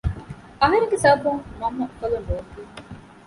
އަހަރެންގެ ސަބަބުން މަންމަ އުފަލުން ރޯތީ